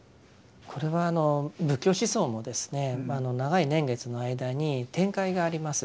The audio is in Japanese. これはあの仏教思想もですね長い年月の間に展開があります。